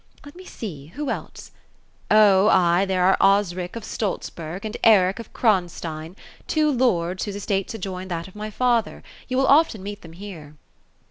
Let me see ; who else 7 0, ay, there are Osric of Stolzberg, and Eric of Kronstein, two lords, whose estates adjoin that of my father ; you will often meet them here."